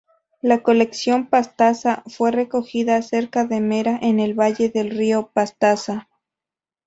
La colección Pastaza fue recogida cerca de Mera, en el valle del Río Pastaza.